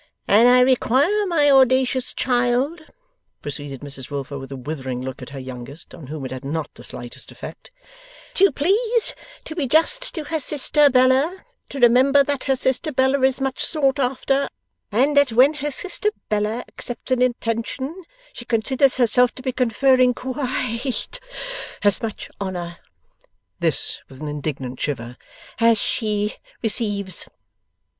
'And I require my audacious child,' proceeded Mrs Wilfer, with a withering look at her youngest, on whom it had not the slightest effect, 'to please to be just to her sister Bella; to remember that her sister Bella is much sought after; and that when her sister Bella accepts an attention, she considers herself to be conferring qui i ite as much honour,' this with an indignant shiver, 'as she receives.